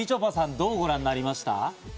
どうご覧になりました？